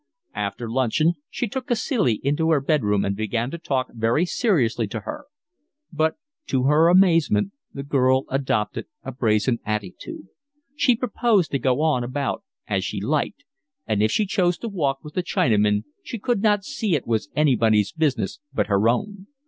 After luncheon she took Cacilie into her bed room and began to talk very seriously to her; but to her amazement the girl adopted a brazen attitude; she proposed to go about as she liked; and if she chose to walk with the Chinaman she could not see it was anybody's business but her own.